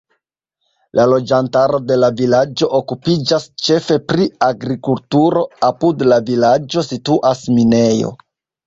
La loĝantaro de la vilaĝo okupiĝas ĉefe pri agrikulturo; apud la vilaĝo situas minejo.